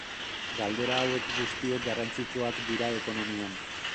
Galdera hauek guztiek garrantzitsuak dira ekonomian.